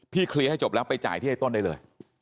เคลียร์ให้จบแล้วไปจ่ายที่ไอ้ต้นได้เลย